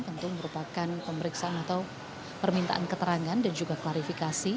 tentu merupakan pemeriksaan atau permintaan keterangan dan juga klarifikasi